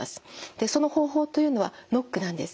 でその方法というのはノックなんです。